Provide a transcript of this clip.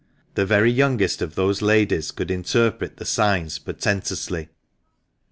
the very youngest of those ladies could interpret the signs portentously.